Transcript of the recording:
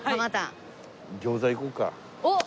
おっ！